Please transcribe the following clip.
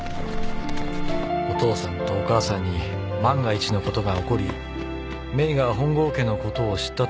お父さんとお母さんに万が一のことが起こりメイが本郷家のことを知った